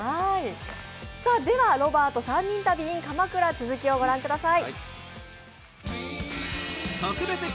では、「ロバート３人旅ｉｎ鎌倉」ご覧ください。